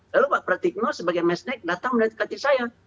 lalu pak pratikno sebagai mesnek datang menerima kritik saya